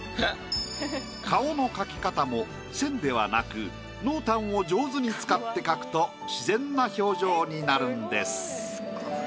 顔の描き方も線ではなく濃淡を上手に使って描くと自然な表情になるんです。